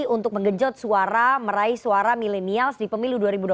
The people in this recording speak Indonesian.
untuk mengejut suara meraih suara milenial di pemilu dua ribu dua puluh empat